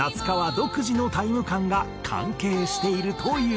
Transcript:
独自のタイム感が関係しているという。